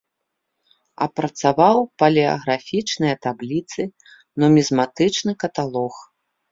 Апрацаваў палеаграфічныя табліцы, нумізматычны каталог.